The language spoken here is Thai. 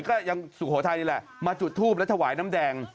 ก็ยังสุโขทัยนี่แหละมาจุดทูปและถวายน้ำแดง